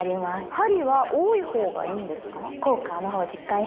針は多い方がいいんですか？